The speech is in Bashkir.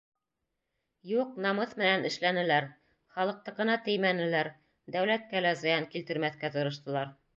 Юҡ, намыҫ менән эшләнеләр, халыҡтыҡына теймәнеләр, дәүләткә лә зыян килтермәҫкә тырыштылар.